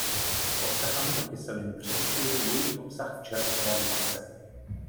Obsah aminokyselin převyšuje jejich obsah v čerstvém mase.